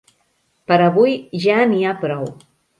Per avui ja n'hi ha prou.